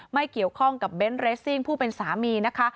ไม่เกี่ยวข้องกับเบนท์เรสซิ่งผู้เป็นสามีนะคะ